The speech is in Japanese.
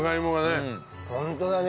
ホントだね。